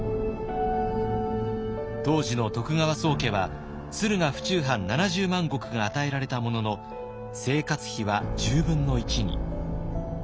当時の徳川宗家は駿河府中藩７０万石が与えられたものの生活費は１０分の１に。